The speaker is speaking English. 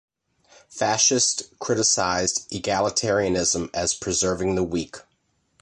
Fascists criticized egalitarianism as preserving the weak.